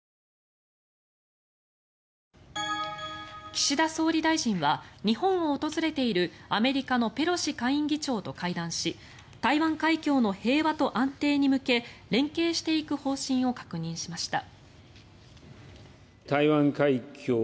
岸田総理大臣は日本を訪れているアメリカのペロシ下院議長と会談し台湾海峡の平和と安定に向け連携していく方針を確認しました。